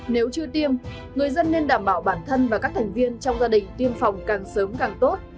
nếu chưa tiêm người dân nên đảm bảo bản thân và các thành viên trong gia đình tiêm phòng càng sớm càng tốt